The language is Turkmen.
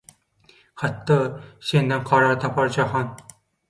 Hatda «Senden karar tapar jahan